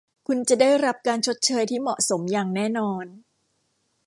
คุณจะได้รับการชดเชยที่เหมาะสมอย่างแน่นอน